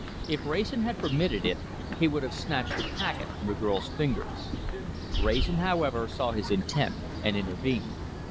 If Wrayson had permitted it, he would have snatched the packet from the girl's fingers. Wrayson, however, saw his intent and intervened.